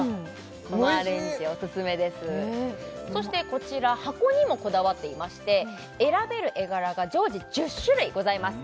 このアレンジオススメですそしてこちら箱にもこだわっていまして選べる絵柄が常時１０種類ございます